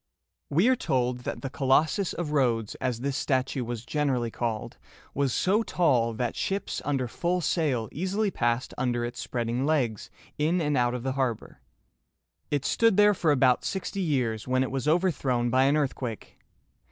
We are told that the Co los´sus of Rhodes, as this statue was generally called, was so tall that ships under full sail easily passed under its spreading legs in and out of the harbor. It stood there for about sixty years, when it was overthrown by an earthquake.